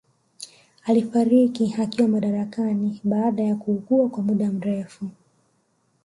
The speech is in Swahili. Alifariki akiwa madarakani baada ya kuugua kwa mda mrefu